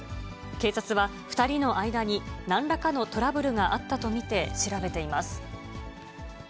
警察は２人の間になんらかのトラブルがあったと見て調べています。